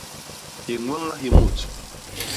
Hiñweña hi mut.